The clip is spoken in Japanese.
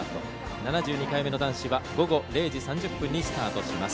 ７２回目の男子は午後０時３０分にスタートします。